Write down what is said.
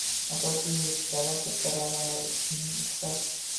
Asosiy sabab bitta: Ra’no va uning ishqi.